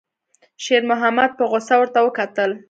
شېرمحمد په غوسه ورته وکتل.